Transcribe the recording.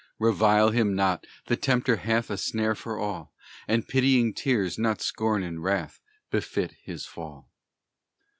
Revile him not, the Tempter hath A snare for all; And pitying tears, not scorn and wrath, Befit his fall!